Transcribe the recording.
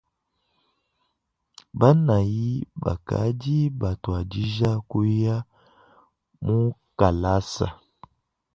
Banayi bakadi batuadije kuya mukalasa.